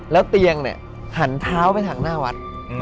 แล้วเตียงเนี่ยหันเท้าไปทางหน้าวัด